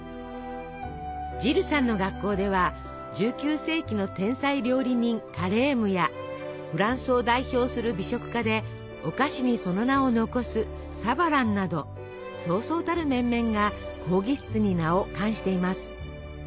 ジルさんの学校では１９世紀の天才料理人カレームやフランスを代表する美食家でお菓子にその名を残すサヴァランなどそうそうたる面々が講義室に名を冠しています。